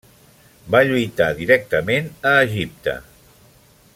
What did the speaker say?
Va lluitar directament a Egipte.